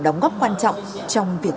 đóng góp quan trọng trong việc